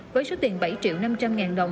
với số tiền bảy triệu năm trăm linh ngàn đồng